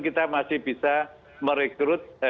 kita masih bisa merekrut